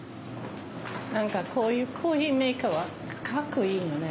何かこういうコーヒーメーカーはかっこいいよね。